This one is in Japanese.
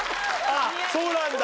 あっそうなんだ。